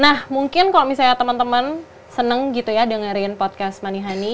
nah mungkin kalau misalnya temen temen seneng gitu ya dengerin podcast manihani